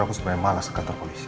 aku sebenarnya malas ke kantor polisi